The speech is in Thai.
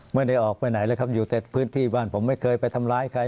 ไม่ได้ออกไปไหนเลยครับอยู่แต่พื้นที่บ้านผมไม่เคยไปทำร้ายใคร